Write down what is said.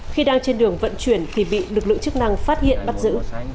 khi đang trên đường vận chuyển thì bị lực lượng chức năng phát hiện bắt giữ